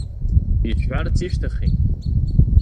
Ишәҳәарц ишәҭахи?